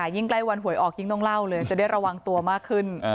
ยิ่งใกล้วันหวยออกยิ่งต้องเล่าเลยจะได้ระวังตัวมากขึ้น